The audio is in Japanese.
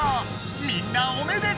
みんなおめでとう！